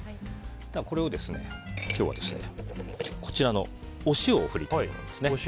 これに今日はお塩を振りたいと思います。